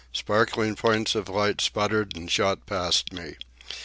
Sparkling points of light spluttered and shot past me.